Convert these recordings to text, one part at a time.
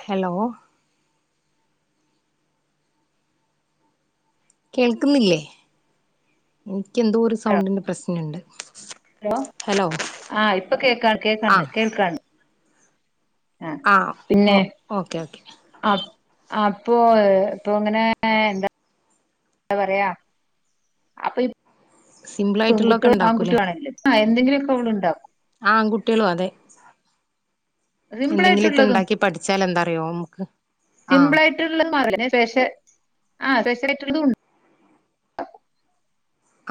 Hello കേൾക്കുന്നില്ലേ എനിക്കെന്തോ ഒരു ഹലോ സൗണ്ടിന്റെ പ്രശ്നമുണ്ട് ഹലോ ആഹ് ഇപ്പൊ കേക്കാ കേക്കണ്ട് ആഹ് കേൾക്കാം ആ ആഹ് ഓ പിന്നെ ഓക്കെ ഓക്കെ ആ അപ്പൊ ഇപ്പൊ ഇങ്ങനെ എന്താ എന്താ പറയാ അപ്പൊ സിമ്പിൾ ആയിട്ടുള്ളൊക്കെ പെൺകുട്ടിയോള് ആൺകുട്ടിയാണല്ലേ എന്തെങ്കിലുമൊക്കെ അവൾ ഉണ്ടാക്കും ആൺകുട്ടികളും അതെ സിംപിൾ എന്തെങ്കിലുമൊക്കെ ആയിട്ടുള്ളതും ഉണ്ടാക്കി പഠിച്ചാൽ എന്താറിയോ നമുക്ക് ആഹ് സിംപിൾ ആയിട്ടുള്ളന്ന് [unintelligible] സ്പെഷ്യൽ ആഹ് സ്പെഷ്യൽ ഇല്ലായിട്ടുള്ളതും ഉണ്ട്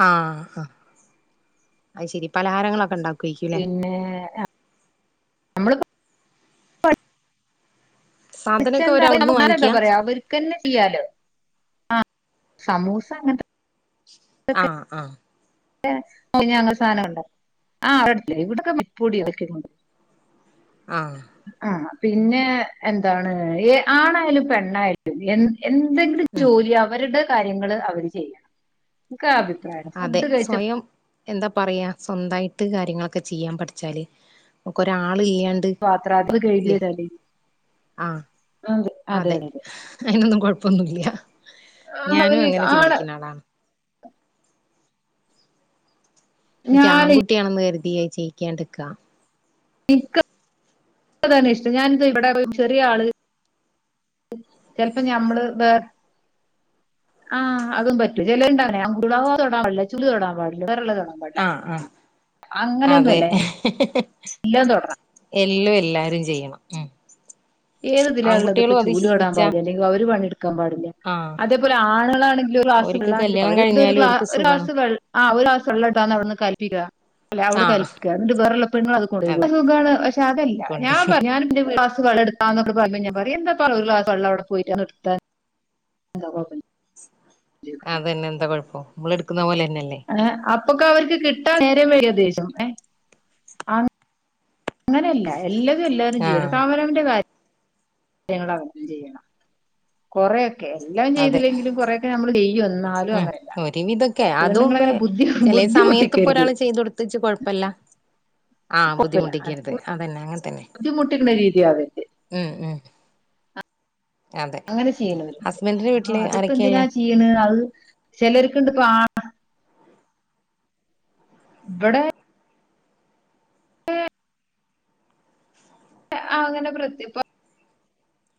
ങാ ങാ അയിശേരി പലഹാരങ്ങളൊക്കെ ഉണ്ടാക്കും പിന്നെ നമ്മള് പച്ച സാധനൊക്കെ എന്താ അവര് അവിടുന്ന് എന്താ വാങ്ങിക്കാ പറയാ അവർക്കന്നെ ചെയ്യാലോ ആഹ് സമൂസ അങ്ങനെ ങാ ങാ പിന്നെ ഞങ്ങൾ സാധനം ഒണ്ടാക്കി ആഹ് അടുപ്പിൽ ഇവിടൊക്കെ വിപ്പൊടി ഇതൊക്കെ കൊണ്ട ആഹ് ആഹ് പിന്നെ എന്താണ് ആണായാലും പെണ്ണായാലും എന്ത് എന്തെങ്കിലും ഉം ജോലി അവരുടെ കാര്യങ്ങൾ അവര് ചെയ്യണം എൻക് അതെ സ്വയം എന്താ പറയാ സ്വന്തായിട്ട് കാര്യങ്ങളൊക്കെ ചെയ്യാൻ പഠിച്ചാല് നമുക്കൊരാ പാത്ര അത് കഴികിടൽ ആഹ് അത് അതെ അതിനൊന്നും കുഴപ്പൊന്നുല്യാ ആ, ഞാനും അവര് അങ്ങനെ ആണ് ചിന്തിക്കുന്ന ആളാണ് എനിക്ക് ഞാൻ ആൺകുട്ടിയാണെന്ന് കരു തീരെ ചെയ്യിക്കണ്ടിക്ക എന്ക്ക് അതന്നെ ഇഷ്ടം ഞാനിതാ ഇവിടെ ചെറിയ ആള് ചിലപ്പോ ഞമ്മള് വേറെ ആഹ് അതും പറ്റും ചിലുണ്ടാവേ അവോട തൊടാൻ പാടില്ല ചുല് തൊടാൻ പാടില്ല വേറള്ളത ആഹ് ആഹ് അതെ എല്ലാം തൊടണം എ ല്ലാം എല്ലാരും ചെയ്യണം ഉം ഏത് ഇതിലയുള്ളത് ഇപ്പ ആൺകുട്ടികളും അത് ചൂൽ തോടൻ ശീലിച്ചാ പാടില്ല അല്ലെങ്കിൽ അവര് പണി എടു ക്കാൻ പാടില്ല ആഹ് അതേപോലെ ആണ് [unintelligible] [unintelligible] താ ഓര്ക്ക് എന്നൊക്കെ കല്യാണം കഴിഞ്ഞാലും ഓര്ക്ക് സുഖാണ് ആഹ് അതെ കൊണ്ടോയി പറഞ്ഞ ഞാൻ പറയും എന്താപ്പാ ഒരു ഗ്ലാസ്‌ വെള്ളം അവിടെ പോയിട്ട് ഒന്ന് എടുത്താൽ എന്താ കൊഴപ്പം എന്ന് അതന്നെ എന്താ കൊഴപ്പം നമ്മള് എടുക്കുന്ന പോലെ ഏഹ് അപ്പ് പ്പൊക്കെ അവർക്ക് കിട്ടാൻ നേരം വൈകിയ ദേശ്യം ഏഹ് അങ് അങ്ങനെയല്ല എല്ലതും എല്ലാവരും ചെയ്യണം ആഹ് അവനവന്റെ കാര്യ ങ്ങള് ചെയ്യണം കൊറെ എല്ലാം അതെ ചെയ്തില്ലെങ്കിലും കൊറെയൊക്കെ നമ്മള് ചെയ്യും എന്നാ ഉം ഒരുവിധൊക്കെ അതും ബുദ്ധി ചെല സമയത്ത് ഇപ്പൊ ബുദ്ധിമുട്ടിക്കരുത് ഒരാള് ചെയ്തൊടുത്തച്ച് കൊഴപ്പല്ല ആഹ് കുഴപ്പമില്ല ബുദ്ധിമുട്ടിക്കരുത് അതന്നെ അങ്ങനെ തന്നെ ബുദ്ധിമുട്ടിക്കുന്ന രീതിയാവരുത് ഉം ഉം അതെ അങ്ങനെ ചെയ്യണവരുണ്ട് ഹസ്ബൻഡിന്റെ ആഹ് വീട്ടില് അതിപ്പോ ആരൊക്കെയള്ളെ എന്തിനാ ചെയ്യാണ് അത് ചിലർക്ക് ഇണ്ട് ഇപ്പൊ ആ ഇബിടെ അങ്ങനെ പ്രേത്യുപ്പ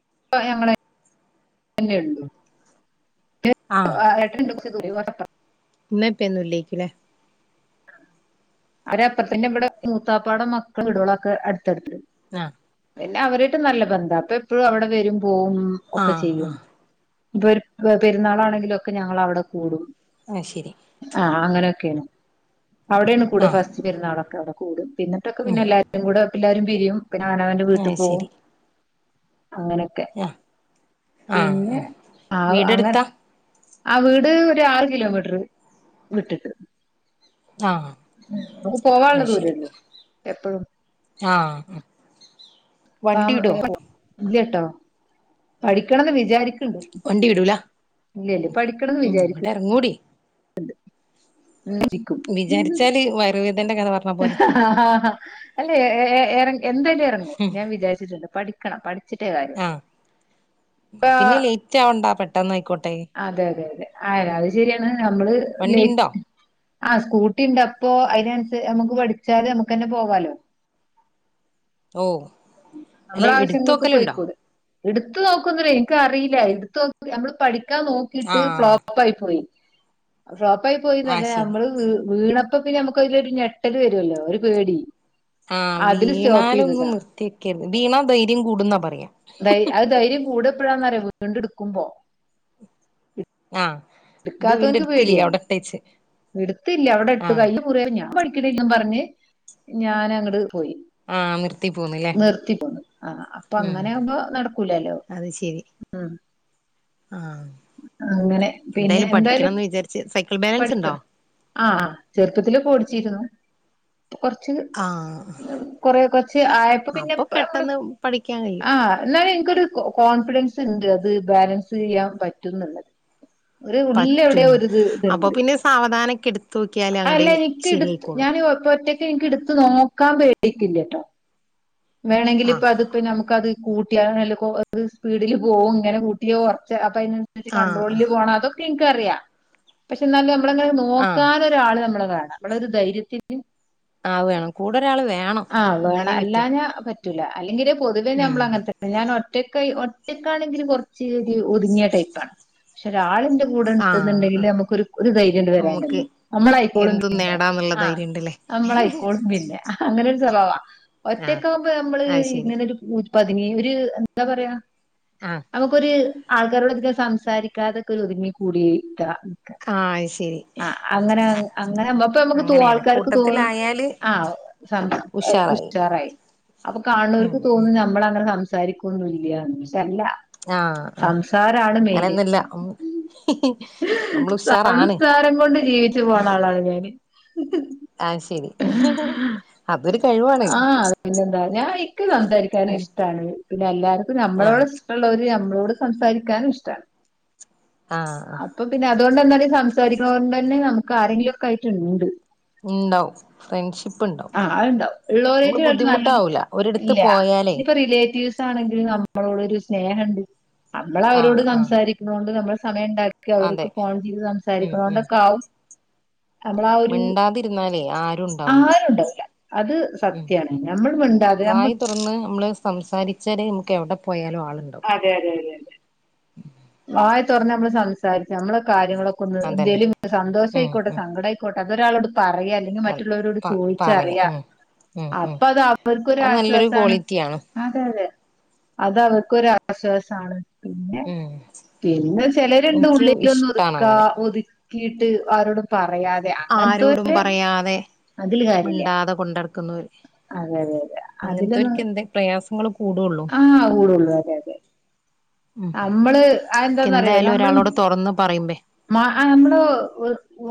[unintelligible] അങ്ങനെ [unintelligible] ഏഹ് ഏട്ടൻ [unintelligible] ഇന്നിപ്പയെന്നും ഇല്ലേക്കുല്ലേ അവരാപ്പാർത്തന്നെ ഇവിടെ മൂത്താപ്പട മക്കൾ വീടുകളൊക്കെ അടുത്തടുത്ത് ആ പിന്നെ അവരായിട്ട് നല്ല ബന്ധ പ്പൊ എപ്പഴും അവിടെ വരും പോം ഒക്കെ ആഹ് ചെയ്യും ആഹ് ഇപ്പൊ ഒരു പെരുന്നാളാണെങ്കിലൊക്കെ ഞങ്ങള് അവിടെ കൂടും അത് ശരി ആ അങ്ങനൊക്കേണ് അവിടെണ് കൂടെ ആഹ് ഫസ്റ്റ് പെരുന്നാളൊക്കെ അവി കൂടും പിന്നെത്തൊക്കെ ഉം പിന്നെ എല്ലാരും കൂടെ എല്ലാരും പിരിയും പിന്നെ അവനവന്റെ അത് വീട്ടിൽ പോകും ശരി അങ്ങനൊക്കെ ആഹ് ആഹ് പിന്നെ ഉം ആ അങ്ങെ വീടെടുത്താ ആ വീട് ഒരു ആറ് കിലോമീറ്റർ വിട്ടിട്ട് ആഹ് നമുക്ക് പോവാള്ള ദൂരേള്ളൂ എപ്പഴും ആ ആ [inaudible] ട്ടോ പഠിക്കണംന്ന് വിചാരിക്ക വണ്ടി വിടൂല ഇല്ല ഇല്ല പഠിക്കണംന്ന് ഉം വിചാരി ഇങ്ങട്ട് [inaudible] അതെ വിചാരിച്ചാല് വരവ ഹ് ഹ് ഹ ഹ അല്ല ഏ ഏ ഏറെ എന്തായാലും എറങ്ങും ഞാൻ വിചാരിട്ട്ണ്ട് പഠിക്ക ക്കണം ആ പിന്നെ ലേറ്റ് ആവണ്ടാ പെട്ടെ ട്ടന്നായിക്കോെ അതെ അതെ അതെ അയ് അത് ശെരിയാണ് നമ്മള് ലേ വണ്ടി ഇണ്ടോ ആ സ്കൂട്ടി ഉണ്ട പ്പൊ അതിനനുസരി നമുക്ക് പഠിച്ചാല് നമുക്ക്ന്നെ പോവാലോ ഓ നമ്മള ആാവശ്യങ്ങൾക്ക് പോയിക്കൂടെ? എടുത്ത് നോക്കുവൊന്നില്ല എനിക്ക് അറിയില്ല എടുത്ത് നോക്കി നമ്മള് പഠി ക്കാ നോക്കീട്ട് ആഹ് ഫ്ലോപ്പ് ആയി പോയി. ഡ്രോപ്പ് ആയി പോയിന്നല്ല ആഹ് ശരി നമ്മള് വീണ അപ്പോ പിന്നെ നമുക്ക് അതിലൊരു ഞെട്ടല് വരുമല്ലോ ഒരു പേടി ആഹ് അതില് സ്റ്റോപ്പ് വീണാല് ഒന്ന് ചെയ്തതാ നിർത്തി [unintelligible] വീണാ ധൈര്യം കൂടുന്നാ പറയ്യാ. ധൈ അത് ധൈര്യം കൂടെ എപ്പോഴാന്നറിയാ വീണ്ടും എടുക്കുമ്പോ. ആഹ് ഇത് വീണ്ടും ഇട്ക്കാത്തവൻക്ക് എടുത്തില്ലേ പേട്യാ അവിടെ ഇട്ടേച്ച് ഇടുത്തില്ല അവിടെ ഇട്ട് ആഹ് കയ് മുറെ ഞാൻ കിതെങ്ങും പറഞ്ഞ് ഞാന അങ്ങട് പോയി ആഹ് നിർത്തി പോന്നില്ലേ നിർത്തി പോന്ന് ആഹ് അപ്പൊ ഉം അങ്ങനെ ആകുമ്പോ നടക്കൂലല്ലോ അത് ശരി ഉം ആഹ് അങ്ങനെ പിന്നെ എന്തായാലും പഠിക്കണംന്ന് വിചാരിച്ച് സൈക്കിൾ ബാലൻസ് ഉണ്ടോ പഠിക്കണം ആഹ് ചെറുപ്പത്തില് പൊടിച്ചീ ലോ കൊറ്ച്ച് ആഹ് കൊറ കൊറ്ച്ച് ആയപ്പോ പിന്നെ അപ്പൊ നമ്മള് പെട്ടെന്ന് പഠിക്കാൻ കഴിയും ആഹ് ഇന്നാലു ഇൻക്കൊരു കോൺഫിഡൻസ് ഇണ്ട് അത് ബാലൻസ് ചെയ്യാൻ പറ്റുന്ന് ള്ളത് ഒരു ഉള്ളി ഔടെ പറ്റുന്ന് ഒരുത് അപ്പൊ ഇണ്ട് പിന്നെ സാവധാനൊക്കെ എടുത്ത് നോക്കിയാല് അഹ് അങ്ങട് അല്ല എനിക്ക് ഇടുത്ത് ശരിയായിക്കോളും ഞാൻ ഒപ്പ ഒറ്റക്ക് ഇനിക്ക് എടുത്ത് നോക്കാൻ പേടിക്കില്ലെട്ടോ വേണങ്കില് ഇപ്പ ആഹ് അത്പ്പ നമുക്കത് കൂട്ട്യാല [unintelligible] ല്ല സ്പീഡില് പോവും ഇങ്ങനെ കൂട്ടിയൊ കൊറ്ച്ച് അപ്പ അയ്നൻസരിച്ച് ആഹ് ആഹ് കണ്ട്രോളില് പോണ ഇൻക്കൊറ്യ പക്ഷെ ഇന്നാലു നമ്മളെ ആഹ് നോക്കാനൊര് ഒരാൾ നമ്മൾ കാണ് നമ്മളൊരു ധൈര്യത്തിന് ആ വേണം കൂടെ ഒരാള് വേണം വേണം എന്നാലേ പറ്റൂ. അല്ലാഞ്ഞാ [unintelligible] അല്ലെങ്കില് പൊതുവേ ഉം നമ്മള അങ്ങനത്തന്നെ ഞാൻ ഒ റ്റക്ക് ഒറ്റക്കാണെങ്കിലും കുറ ച്ച് ഒരു ഒതുങ്ങിയ ടൈപ്പാണ്. പക്ഷേ ഒരാള് കൂടെയിണ്ട് എന്നുണ്ടെങ്കിൽ ആഹ് നമുക്ക് ഒരു ധൈര്യണ്ട് നമുക്ക് [unintelligible] നമ്മളായിക്കോളും എന്തും പിന്നെ നേടാന്നുള്ള ആഹ് ധൈര്യം ഉണ്ടല്ലേ നമ്മളായിക്കോളും പിന്നെ അങ്ങനെ [unintelligible] ആഹ് ഒറ്റയ്ക്കാവുമ്പോ നമ്മള് അത് ശരി ഇങ്ങനെരു പ്പതിനെ ഒര് എന്താ പറയാ ആഹ് നമക്കൊരു ആൾക്കാരോട് അധികം സംസാരിക്കാതൊക്കെ ഒരു ഒതുങ്ങി കൂടിയിട്ട ആഹ് അത് ശരി ആ അങ്ങനെ അങ്ങനെ നമുക്ക് തോ അങ്ങനെയാണ് ആൾക്കാർക്ക് തോന്നും കൂട്ടത്തിലായാല് ആ സംസ് ഉഷാറായി അപ്പൊ ഉം കാണുന്നോർക്ക് ഉം തോന്നുന്നു നമ്മൾങ്ങനെ സംസ് സാരിക്കൊന്നുല്ല അല്ലാ ആഹ് ആഹ് സംസാരാണ് മെയിന് അങ്ങനെയൊന്നുല്ല ഉം നമ്മള് ഉഷാറാണ് സംസാരം കൊണ്ട് ജീവിച്ചു പോണ ആളാണ് ഞാൻ എ ആ ശെരി അതൊരു കഴിവാണ് ക്ക് സംസാരിക്കാൻ ഇഷ്ടാണ് പിന്നെ എല്ലാവർക്കും നമ്മളോട് ആഹ് ഇഷ്ടുള്ളവര് നമ്മളോട് സംസാരിക്കാനും ഇഷ്ടാണ് ആ ആ അതുകൊണ്ടെന്താടി സംസാരിക്ണൊണ്ട് ന്നെ നമുക്ക് ആരെങ്കിലും ഒക്കെ ആയിട്ട്ണ്ട് ണ്ടാവും ഫ്രണ്ട്ഷിപ്പ് ഉണ്ടാവും ആ അഹ്ണ്ടാവും നമ്മള് ഉള്ളോരായിട്ട് നല്ലൽ ബുദ്ധിമുട്ടാവൂല ഒരിടത്ത് ഇല്ല പോയാലേ ഞ്ഞിപ്പം റിലേറ്റീവ്സ് ആണെങ്കിൽ നമ്മളോട് ഒരു സ്നേഹം ണ്ട് നമ്മൾ അവരോട് ആഹ് ആഹ് സംസാരിക്കുന്നോണ്ട് നമ്മൾ സമയം ണ്ടാക്കി അവർക്ക് അതെ ഫോൺ ചെയ്ത് ഉം ഉം സംസാരിക്കുന്നോണ്ടൊക്കെ ആവും നമ്മൾ ആ ഒരു മിണ്ടാതിരുന്നാലേ ആരും ഉണ്ടാവൂല ആരുണ്ടാവൂല അത് ഉം സത്യാണ് നമ്മൾ മിണ്ടാതെ നമ്മ വായി തുറന്ന് നമ്മള് സംസാരിച്ചാല് നമുക്ക് എവിടെ പോയാലും ആളുണ്ടാവും അതെ അതെ അതെ അതെ വായ് തുറന്ന് നമ്മള് സംസാരിച്ചാ നമ്മള് കാര്യങ്ങളൊക്കെ ഒന്ന് അതന്നെ എന്തേലും സന്തോഷം ഉം ആയിക്കോട്ടെ ഉം സങ്കടം ആയിക്കോട്ടെ ഒരാളടു പറയാ അല്ലെങ്കിൽ അത് മറ്റുള്ളവരോട് പ പറയാ ചോദിച്ചറിയ ഉം ഉം ഉം അപ്പൊ അത് അത് നല്ലൊരു അവർക്കൊരാശ്വാസാണ് ക്വാളിറ്റിയാണ് അതെ അതെ അത് അവർക്കൊരു ആശ്വാസാണ് പിന്നെ ഉം പിന്നെ ചിലരുണ്ട് എനിക്ക് ഉള്ളില ഒന്ന് ഇഷ്ടാണ് ഒതുക്കാ അങ്ങനെ ഒതു ക്കിട്ട് ആരോടും പറ ആരോടും പറയാതെ അതില് കാര്യില്ല. നടക്കുന്നോരു അങ്ങനത്തൊരുക്കു എന്തേ പ്രയാസ ആഹ് കൂടുള്ളൂ അതെ അതെ. ഉം നമ്മള് അത് എന്താന്നറിയോ എന്തായാലും നമ്മള് ഒരാളോട് തുറന്ന് പറയുമ്പേ നമ്മള്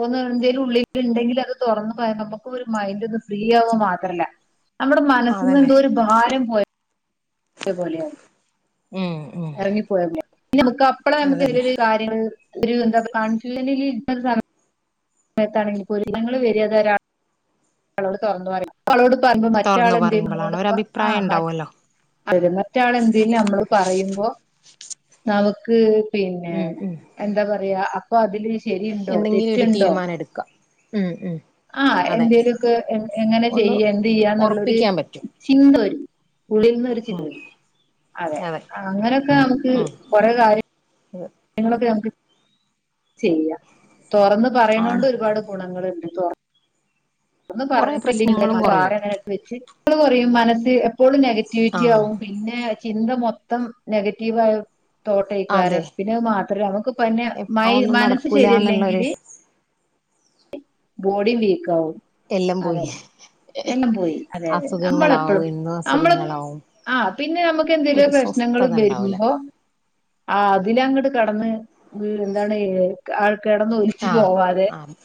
ഒന്ന് എന്തേലും ഉള്ളില് ഇണ്ടെങ്കിൽ അത് തുറന്ന് [unintelligible] നമുക്ക് ഒരു മൈൻഡ് ഒന്ന് ഫ്രീ ആവ മാത്രല്ലാ നമ്മുടെ മനസ്സിന്ന് അതന്നെ എന്തോ ഒരു ഭാരം പോയ പോവല്ലേ ഉം ഉം എറങ്ങിപ്പോയ പിന്നനമ്മക്ക് അപ്പളാ നമുക്ക് അതന്നെ ഒര്‌രു കാര്യങ്ങൾ ഒരു എന്താ കൺഫ്യുല്ലലിരിക്ക സാനം സമയത്താണെങ്കിലി പൊരി ഇരങ്ങള്ൾ വരിയാതൊരാള് അവളോട് തൊറന്നു പറ അവളോട് പറയുമ്പോ തുറന്ന് മറ്റാളെന്തേ പറയുമ്പോളാണ് നമ്മോട്പ്പ ആഹ് ഒരഭിപ്രായം ഉണ്ടാവുമല്ലോ അ മറ്റാൾ എന്തേം നമ്മള് പറയുമ്പോ നമക്ക് പിന്നെ ഉം ഉം എന്താ പറയാ പ്പഅതില് വിശ് എന്തെങ്കിലും ഒരു തീരുമാനം എടുക്കാ ഉം ഉം ആഹ് അതെ എന്തേലൊക്കെ എ എങ്ങനെ ഒന്ന് ചെയ്യ എന്തയ്യാന്നുള്ളൊരു ഉറപ്പിക്കാൻ പറ്റും ചിന്ത വരും ഉള്ളിൽ നിന്നൊരു ചിന്ത ഉം വരും ടി അതെ ആഹ് അങ്ങനെയൊക്കെ നമുക്ക് ഉം കൊറെ കാര്യം ഇത് കാര്യങ്ങളൊക്കെ നമുക്ക് ചെയ്യാം തൊറന്ന് ആണ് പറയണോണ്ട് ഒരുപാട് ഗുണങ്ങള്ണ്ട് ന്തൊർ ഒന്ന് കൊറെ പറഞ്ഞിട്ടില്ല പ്രശ്നങ്ങളും എന്തേലും കുറയും വാങ്ങ്യ ങ്ങനെ വെച്ച് ങ്ങൾ റയും മനസ് എപ്പോളും നെഗറ്റിവിറ്റി ആഹ് ആവും പിന്നെ ചിന്ത മൊത്തം നെഗറ്റീവ് ആയോ അതെ തോട്ടെയ്ക്കാരം പിന്നെ അയ് മാ രം അമുക്ക് പൊന്നെ മൈ ഒന്നും മനെസ്സ് നടക്കൂല ശരി അല്ലെങ്കിൽ എന്നുള്ളൊരു ബോഡിം വീക്ക് ആവും എല്ലാം അതെ പോയി എല്ലെം പോയി അതെ അതെ നമ്മെൾ അസുഖങ്ങളാവും എപ്പെളും എന്നും നമ്മെൾ അസുഖങ്ങളാവും ആഹ് പിന്നെ നമ്മെക്ക് എന്തെലും ഒര ഒരു പ്രശ്നങ്ങെൾ സ്വസ്ഥത ഉണ്ടാവൂല വെരുമ്പോ ആഹ് ഇതിൽ അങ്ങെട്ട് കട്ന്ന് ഹ് എന്താണ് ഏൽക്കാ ആൾ കെട്ന്ന് ഒൽച്ച് ആഹ് പോവാതെ. ആഹ്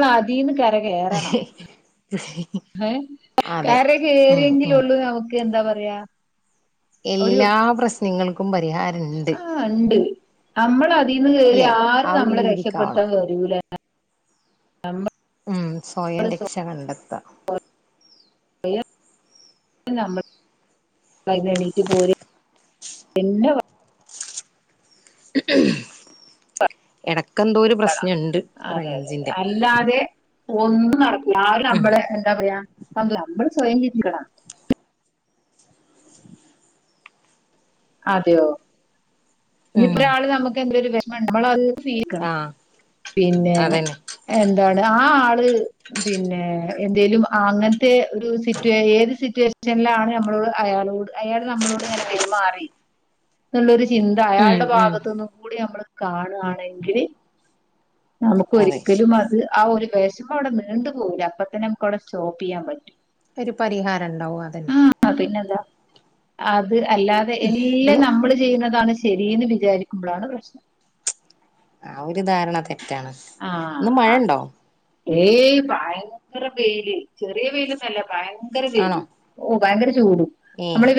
[unintelligible] കേറണം ഏഹ് അതെ കര ഉം കയറിയെങ്കിലും ഉം ഉള്ളൂ നമ്മു ക്ക എന്താ പറയാ? ഒരു എല്ലാ പ്രശ്നങ്ങൾക്കും പരിഹാരം ഇണ്ട്. നമ്മ തീന്ന് കയറി ആരും നമ്മളെ രീതിക്കാവണം രക്ഷപ്പെടുത്താൻ വരൂല. ഉം സ്വയം രക്ഷ കണ്ടെത്തുക. പി നമ്മ [unintelligible] എണീറ്റ്പോര് പിന്നെ [unintelligible] എട കട അതെ അതെ അതെ അല്ലാതെ ഒന്നും നടക്കുല്ല ആരും ഉം നമ്മളെ എന്താ പറയാ നമ്മള് സ്വയം ചിന്തിക്കണം. അതെയോ? ഇനി ഉം ഇപ്പൊരാള് നമുക്ക് എന്തൊരു വെ [unintelligible] ഫീക്കാ ആഹ് പിന്നെ അതന്നെ എന്താണ്? ആ ആള് പിന്നെ എന്തേലും അങ്ങനെ റ്റ് ഒരു സിറ്റുവേ ഏത് സിറ്റുവേഷൻ റ്റെല്ലാ ആണ് നമ്മളോട് അയാളോട് അയാള് നമ്മളോട് എങ്ങനെ പെരുമാറി ന്നുള്ളൊരു ചിന്ത ഉം അയാളുടെ ഉം ഭാഗത്തു നിന്നു കൂടി നമ്മള് കാണു ആണെങ്കിൽ നമുക്ക് അതെ ഒരിക്കലും അത് ആ ഒരു പേശുമ്പോ അവിടെ നീണ്ടു പോകൂ ലേ അപ്പൊ തന്നെ നമുക്കവിടെ സ്റ്റോപ്പ് ചെയ്യാൻ പറ്റും. ഒരു പരിഹാരം ഇണ്ടാവും അതന്നെ. അ അത് അല്ലാതെ എല്ലാം ഉം നമ്മള് ചെയ്യുന്നതാണ് ശ ശരീന്ന് വിചാരിക്കുമ്പോളാണ് പ്രശ്നം. ആ ഒരു ധാരണ തെ റ്റാണ് ഇന്ന് ആ മഴയണ്ടോ? ഏയ് ഭയങ്കര വെയില് ചെറിയ വെയിലൊന്നല്ല ഇായ നിക വേ ആണോ ഭയങ്കര ചൂട നമ്മൾ ഏഹ്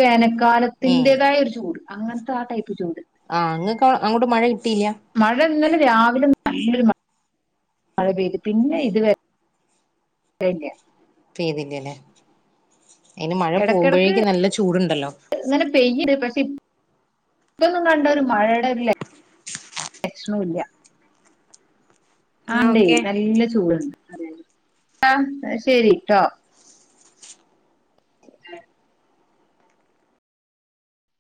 ഏഹ് വേനൽക്കാലത്തിന്റതായ ഒരു ചൂട് അങ്ങനത്തെ ആ ടൈപ്പ് ചൂട് ആഹ് അങ്ങ അോട്ട മഴ കിട്ടിയില്ല മഴ ഇങ്ങനെ രാവിലെ നല്ല മഴ പെയ്തു പിന്നെ ഇതുവരെ പെയ്തില്ലല്ലേ അയിന് മഴ ഇടക്കിടക്ക് പോകുമ്പോഴേക്ക്ും നല്ല ചൂടുണ്ടല്ലോ ഇതൊന്നും കണ്ട ഒരു മഴയുടെ ഒരു ലക്ഷണില്ല എന്നാ ആണ്ട ഓക്കെ നല്ല ചൂടുണ്ട് ആ ശരിട്ടോ ആഹ